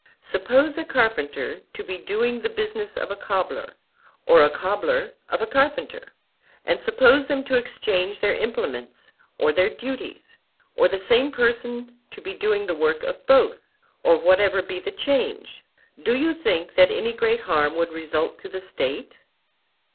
Suppose a carpenter to be doing the business of a cobbler, or a cobbler of a carpenter; and suppose them to exchange their implements or their duties, or the same person to be doing the work of both, or whatever be the change; do you think that any great harm would result to the State?